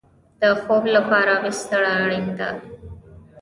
د خوب لپاره بستره اړین ده